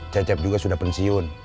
cecep juga sudah pensiun